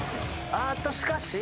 あっとしかし。